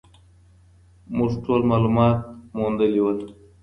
موږ ټول معلومات موندلي وو.